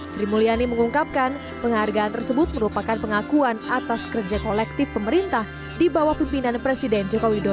sri mulyani mengungkapkan penghargaan tersebut merupakan pengakuan atas kerja kolektif pemerintah di bawah pimpinan presiden joko widodo